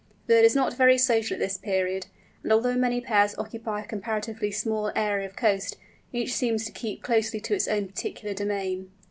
The bird is not very social at this period, and although many pairs may occupy a comparatively small area of coast, each seems to keep closely to its own particular domain.